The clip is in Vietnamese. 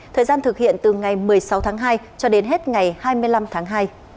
thời gian thực hiện từ ngày một mươi sáu tháng hai cho đến hết ngày hai mươi năm tháng hai